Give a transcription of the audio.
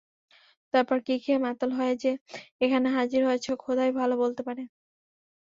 তারপর কী খেয়ে মাতাল হয়ে যে এখানে হাজির হয়েছ খোদাই ভালো বলতে পারবে!